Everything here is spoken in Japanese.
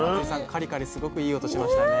カリカリすごくいい音しましたね。